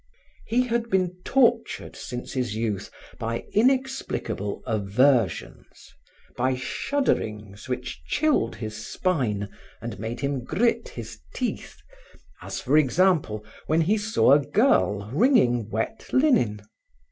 He had been tortured since his youth by inexplicable aversions, by shudderings which chilled his spine and made him grit his teeth, as, for example, when he saw a girl wringing wet linen.